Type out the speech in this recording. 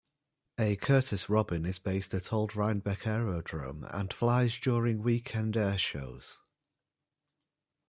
A Curtiss Robin is based at Old Rhinebeck Aerodrome and flies during weekend airshows.